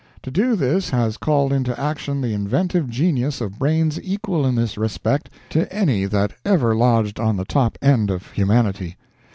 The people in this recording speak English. To do this has called into action the inventive genius of brains equal in this respect to any that ever lodged on the top end of humanity.